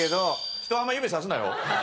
人をあんま指さすなよ。